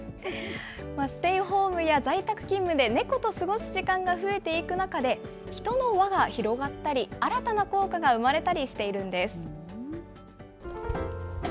ステイホームや在宅勤務で、猫と過ごす時間が増えていく中で、人の輪が広がったり、新たな効果が生まれたりしているんです。